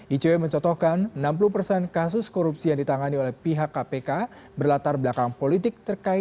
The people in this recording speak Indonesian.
icw mencotokkan enam puluh persen kasus korupsi yang ditangani oleh pihak kpk berlatar belakang politik terkait